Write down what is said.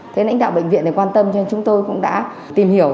thế lãnh đạo bệnh viện này quan tâm cho nên chúng tôi cũng đã tìm hiểu